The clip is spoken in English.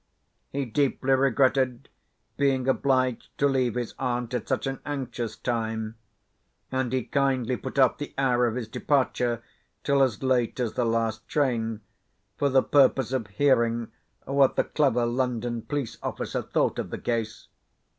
He deeply regretted being obliged to leave his aunt at such an anxious time; and he kindly put off the hour of his departure till as late as the last train, for the purpose of hearing what the clever London police officer thought of the case.